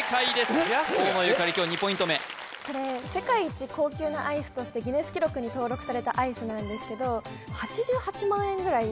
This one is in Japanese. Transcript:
河野ゆかり今日２ポイント目これ世界一高級なアイスとしてギネス記録に登録されたアイスなんですけどええっ！？